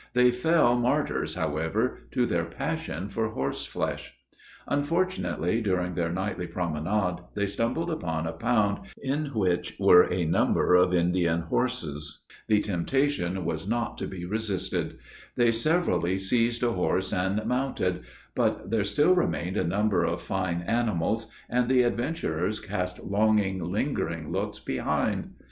They fell martyrs, however to their passion for horseflesh. Unfortunately, during their nightly promenade, they stumbled upon a pound, in which were a number of Indian horses. The temptation was not to be resisted. They severally seized a horse and mounted. But there still remained a number of fine animals; and the adventurers cast longing, lingering looks behind.